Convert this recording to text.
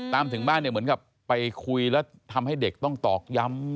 ถึงบ้านเนี่ยเหมือนกับไปคุยแล้วทำให้เด็กต้องตอกย้ำ